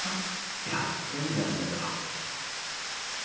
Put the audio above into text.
いやそういうんじゃないんだけど。